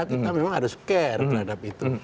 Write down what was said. kita memang harus care terhadap itu